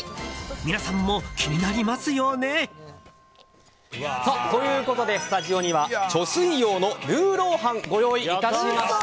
皆さんも気になりますよね？ということでスタジオには貯水葉のルーロー飯ご用意いたしました。